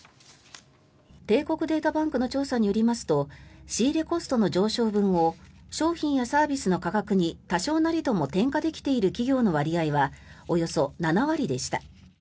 帝国データバンクの調査によりますと仕入れコストの上昇分を商品やサービスの価格に多少なりとも転嫁できている企業の割合はおよそ７割でした。